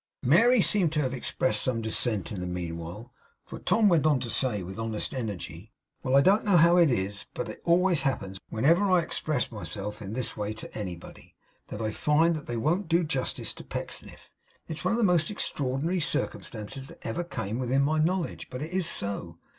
Mary seemed to have expressed some dissent in the meanwhile, for Tom went on to say, with honest energy: 'Well, I don't know how it is, but it always happens, whenever I express myself in this way to anybody almost, that I find they won't do justice to Pecksniff. It is one of the most extraordinary circumstances that ever came within my knowledge, but it is so.